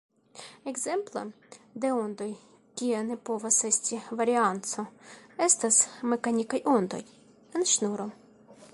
Ekzemplo de ondoj kie ne povas esti varianco estas mekanikaj ondoj en ŝnuro.